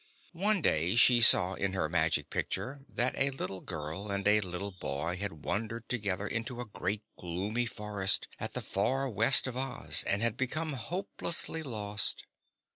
One day she saw in her Magic Picture that a little girl and a little boy had wandered together into a great, gloomy forest at the far west of Oz and had become hopelessly lost.